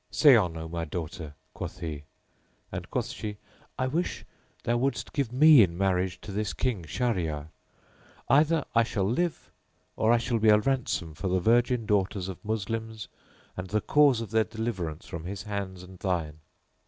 "Say on, O my daughter," quoth he, and quoth she, "I wish thou wouldst give me in marriage to this King Shahryar; either I shall live or I shall be a ransom for the virgin daughters of Moslems and the cause of their deliverance from his hands and thine."